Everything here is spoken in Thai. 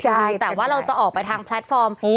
ใช่แต่ว่าเราจะออกไปทางแพลตฟอร์ม